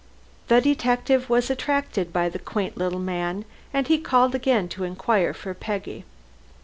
The detective was attracted by the quaint little man, and he called again to inquire for Peggy.